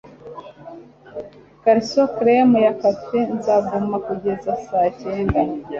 garcon, creme ya cafè. nzaguma kugeza saa cyenda.